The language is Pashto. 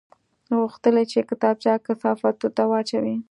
غوښتل یې چې کتابچه کثافاتو ته واچوي